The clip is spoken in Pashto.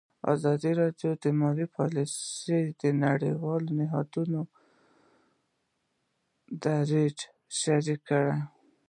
ازادي راډیو د مالي پالیسي د نړیوالو نهادونو دریځ شریک کړی.